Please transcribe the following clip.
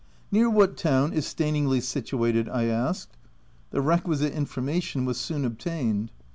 "Near what town is Staningley situated?" I asked. The requisite information was soon ob tained.